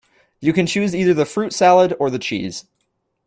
You can choose either the fruit salad or the cheese